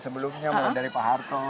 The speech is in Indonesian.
sebelumnya mulai dari pak harto